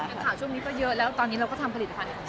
ข่าวช่วงนี้ก็เยอะแล้วตอนนี้เราก็ทำผลิตภัณฑ์